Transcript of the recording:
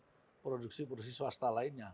bukan kalah dengan produksi produksi swasta lainnya